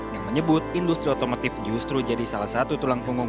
yang menyebut industri otomotif justru jadi salah satu tulang punggung